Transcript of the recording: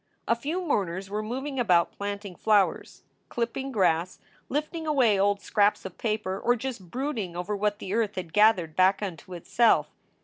A few mourners were moving about planting flowers, clipping grass, lifting away old scraps of paper, or just brooding over what the earth had gathered back unto itself.